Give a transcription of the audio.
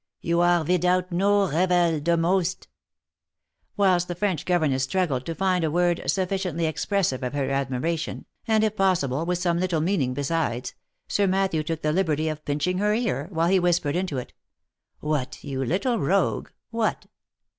you are viddout no reval de most —" Whilst the French governess struggled to find a word sufficiently expressive of admiration, and if possible, with some little meaning besides, Sir Matthew took the liberty of pinching her ear, while he whispered into it, " What, you little rogue? what